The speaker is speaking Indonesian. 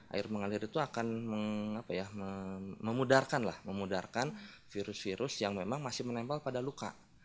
air mengalir itu akan memudarkan virus virus yang memang masih menempel pada luka